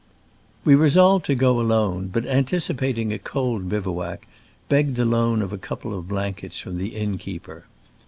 We resolved to go alone, but, antici pating a cold bivouac, begged the loan of a couple of blankets from the inn keeper.